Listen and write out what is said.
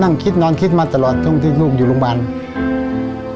นั่งคิดนอนคิดมาตลอดช่วงที่ลูกอยู่โรงพยาบาลอืม